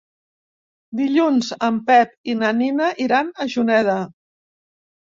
Dilluns en Pep i na Nina iran a Juneda.